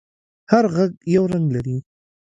هر غږ یو رنگ لري.